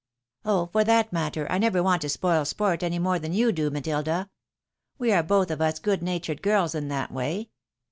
" Oh, for that matter, I jiever want to spoil sport, any more than you do, Matilda. We are both of us good uatured girls in that way.